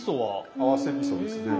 合わせみそですね。